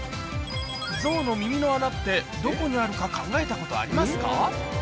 ゾウの耳の穴ってどこにあるか考えたことありますか？